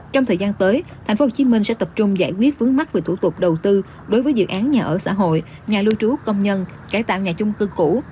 trong thời gian tới thành phố hồ chí minh sẽ tập trung giải quyết vấn mắc về thủ tục đầu tư đối với dự án nhà ở xã hội nhà lưu trú công nhân cải tạo nhà chung cư cũ